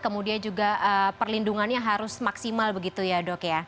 kemudian juga perlindungannya harus maksimal begitu ya dok ya